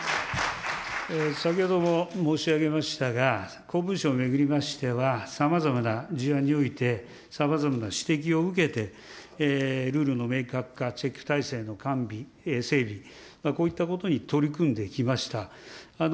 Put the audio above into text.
先ほども申し上げましたが、公文書を巡りましては、さまざまな事案において、さまざまな指摘を受けて、ルールの明確化、チェック体制の完備、整備、こういったことに取り組んできました。